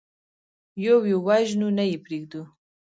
يو يو وژنو، نه يې پرېږدو.